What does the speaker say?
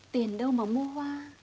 tiền đâu mà mua hoa